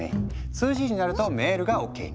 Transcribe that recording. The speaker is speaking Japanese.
２ＧになるとメールがＯＫに。